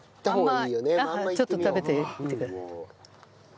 まんまちょっと食べてみてください。